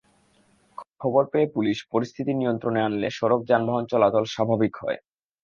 খবর পেয়ে পুলিশ পরিস্থিতি নিয়ন্ত্রণে আনলে সড়কে যানবাহন চলাচল স্বাভাবিক হয়।